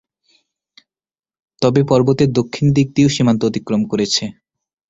তবে পর্বতের দক্ষিণ দিক দিয়েও সীমান্ত অতিক্রম করেছে।